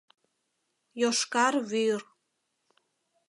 Йошкар вӱр...